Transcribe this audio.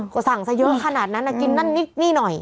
เออสั่งซะเยอะขนาดนั้นน่ะกินนั่นนิดนี่หน่อย